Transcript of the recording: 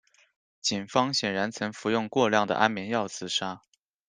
警方显然曾服用过量的安眠药自杀。